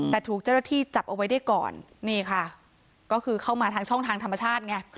แต่ถูกเจ้าหน้าที่จับเอาไว้ได้ก่อนนี่ค่ะก็คือเข้ามาทางช่องทางธรรมชาติไง